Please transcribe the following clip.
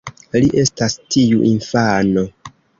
Li estas tiu infano.